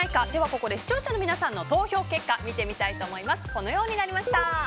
ここで視聴者の皆さんの投票結果見てみたいと思います。